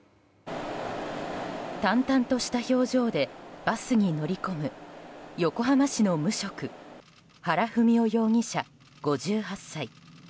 淡々とした表情でバスに乗り込む横浜市の無職原文雄容疑者、５８歳。